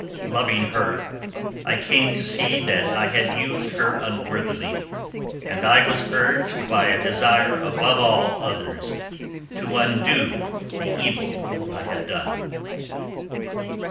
Loving her, I came to see that I had used her unworthily, and I was urged by a desire above all others to undo the evil I had done."